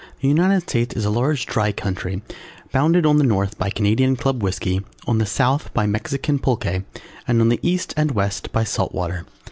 The United States is a large dry country bounded on the north by Canadian Club Whisky, on the south by Mexican Pulque, and on the East and West by Salt Water.